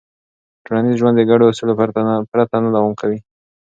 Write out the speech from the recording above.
ټولنیز ژوند د ګډو اصولو پرته نه دوام کوي.